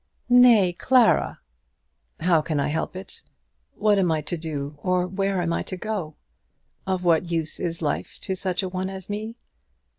"Nay, Clara." "How can I help it? What am I to do, or where am I to go? Of what use is life to such a one as me?